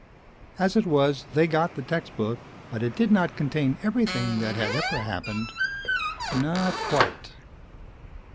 As it was, they got the textbook, but it did not contain everything that had ever happened. Not quite.